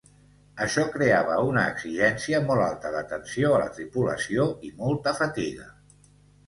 Això creava una exigència molt alta d'atenció a la tripulació i molta fatiga.